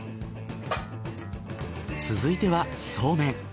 続いてはそうめん。